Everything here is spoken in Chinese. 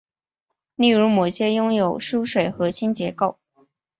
例如某些拥有疏水核心结构。